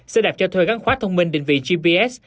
xe đạp cho thuê gắn khóa thông minh định vị gps